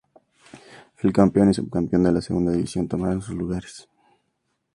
El campeón y subcampeón de la Segunda División, toman sus lugares.